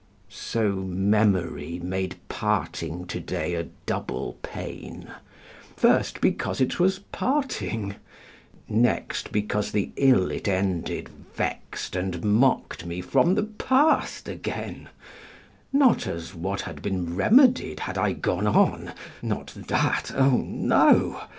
So memory made Parting to day a double pain: First because it was parting; next Because the ill it ended vexed And mocked me from the Past again, Not as what had been remedied Had I gone on, not that, oh no!